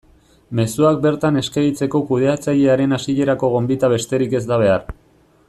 Mezuak bertan eskegitzeko kudeatzailearen hasierako gonbita besterik ez da behar.